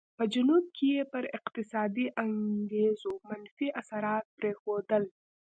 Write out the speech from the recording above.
په جنوب کې یې پر اقتصادي انګېزو منفي اثرات پرېښودل.